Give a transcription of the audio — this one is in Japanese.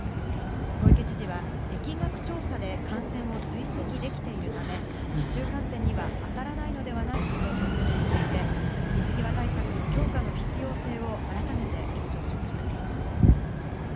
小池知事は、疫学調査で感染を追跡できているため、市中感染には当たらないのではないかと説明していて、水際対策の強化の必要性を改めて強調しました。